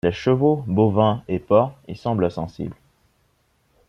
Les chevaux, bovins et porcs y semblent sensibles.